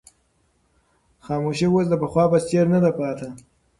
خاموشي اوس د پخوا په څېر نه ده پاتې.